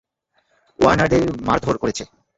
ওয়ার্ডেনদের মারধোর করেছে।